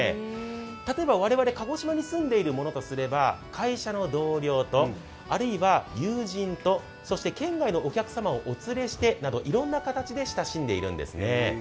例えば我々、鹿児島に住んでいる者とすれば、会社の同僚と、あるいは友人と、そして県外のお客様をお連れしてといろんな形で親しんでいるんですね。